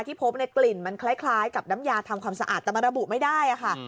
พบในกลิ่นมันคล้ายกับน้ำยาทำความสะอาดแต่มันระบุไม่ได้ค่ะ